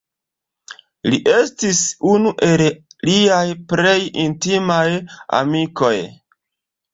Li estis unu el liaj plej intimaj amikoj.